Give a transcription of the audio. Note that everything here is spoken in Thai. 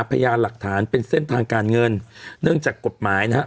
พยานหลักฐานเป็นเส้นทางการเงินเนื่องจากกฎหมายนะฮะ